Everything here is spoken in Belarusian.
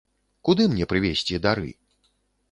Куды мне прывезці дары?